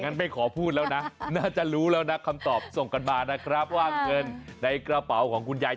ไม่ขอพูดแล้วนะน่าจะรู้แล้วนะคำตอบส่งกันมานะครับว่าเงินในกระเป๋าของคุณยาย